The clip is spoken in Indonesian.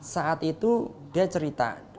saat itu dia cerita